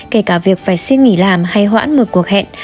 kể cả việc phải xin nghỉ làm hay hoãn một cuộc hẹn